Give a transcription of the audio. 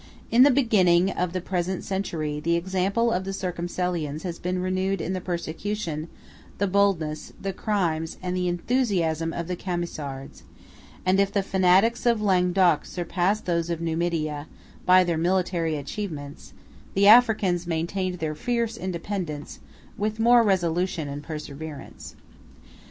In the beginning of the present century, the example of the Circumcellions has been renewed in the persecution, the boldness, the crimes, and the enthusiasm of the Camisards; and if the fanatics of Languedoc surpassed those of Numidia, by their military achievements, the Africans maintained their fierce independence with more resolution and perseverance.